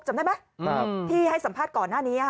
จำได้ไหมที่ให้สัมภาษณ์ก่อนหน้านี้